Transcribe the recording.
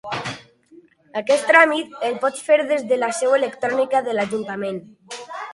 Aquest tràmit el pots fer des de la seu electrònica de l'Ajuntament.